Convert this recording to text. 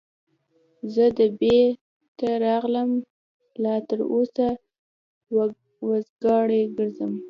زه دبۍ ته راغلم او لا تر اوسه وزګار ګرځم.